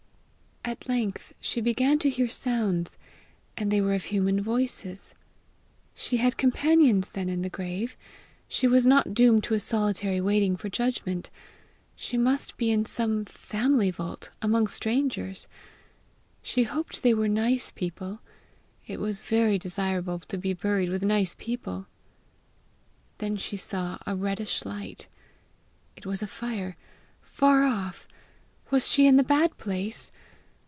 At length she began to hear sounds, and they were of human voices. She had companions then in the grave! she was not doomed to a solitary waiting for judgment! She must be in some family vault, among strangers. She hoped they were nice people: it was very desirable to be buried with nice people! Then she saw a reddish light. It was a fire far off! Was she in the bad place?